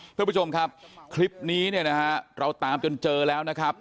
เพื่อผู้ชมครับคลิปนี้เนี่ยนะฮะเราตามจนเจอแล้วนะครับ